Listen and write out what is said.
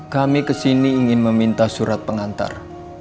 kami kesini ingin meminta surat pengantar